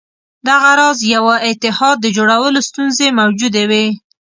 دغه راز یوه اتحاد د جوړولو ستونزې موجودې وې.